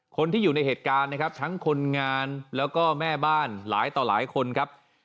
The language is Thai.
คนที่อยู่ในเหตุการณ์นะครับทั้งคนงานแล้วก็แม่บ้านหลายต่อหลายคนครับ